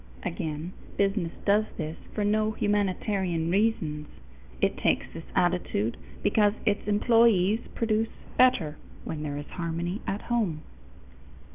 Again, business does this for no humanitarian reasons; it takes this attitude because its employees produce better where there is harmony at home.